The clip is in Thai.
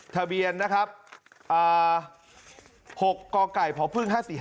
ทะเบียน๖กกผภ๕๔๕๔